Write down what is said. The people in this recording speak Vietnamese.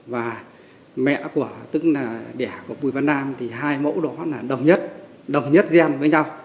và mẹ của tức là đẻ của bùi văn nam thì hai mẫu đó là đồng nhất đồng nhất gen với nhau